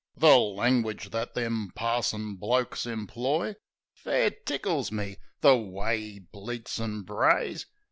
The langwidge that them parson blokes imploy Fair tickles me. The way 'e bleats an' brays!